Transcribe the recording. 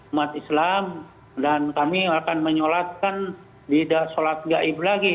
umat islam dan kami akan menyolatkan tidak sholat gaib lagi